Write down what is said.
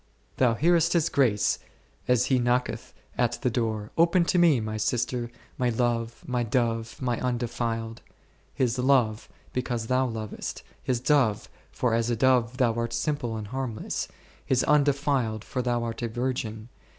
Thou hearest His voice as He knocketh at the door, Open to Me, My sister, My love, My dove, My undefiled ; His love, because thou lovest; His dove, for as a dove thou art simple and harmless ; His un defiled, for thou art a virgin.